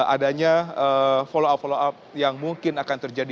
adanya follow up follow up yang mungkin akan terjadi